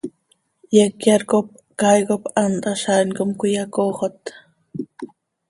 Yecyar cop caay cop hant hazaain com cöiyacoxot.